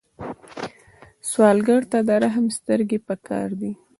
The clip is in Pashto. سوالګر ته د رحم سترګې پکار دي